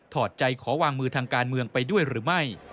อดใจขอวางมือทางการเมืองไปด้วยหรือไม่